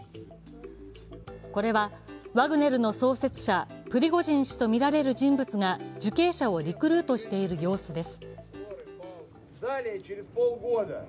これはワグネルの創設者・プリゴジン氏とみられる人物が受刑者をリクルートしている様子です。